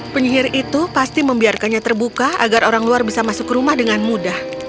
penyihir itu pasti membiarkannya terbuka agar orang luar bisa masuk ke rumah dengan mudah